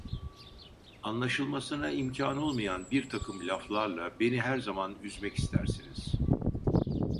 Anlaşılmasına imkan olmayan birtakım laflarla beni her zaman üzmek istersiniz…